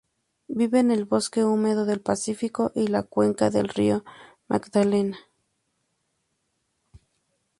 Vive en el bosque húmedo del Pacífico y la cuenca del río Magdalena.